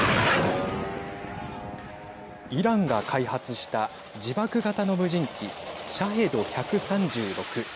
イランが開発した自爆型の無人機シャヘド１３６。